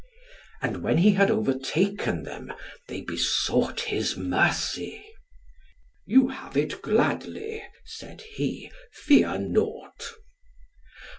And when he had overtaken them, they besought his mercy. "You have it gladly!" said he, "fear nought."